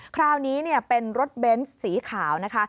คราวนี้เป็นรถเบนส์สีขาวนะคะ